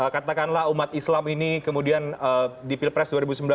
katakanlah umat islam ini kemudian di pilpres dua ribu sembilan belas